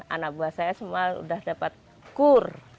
anak buah saya semua sudah dapat kur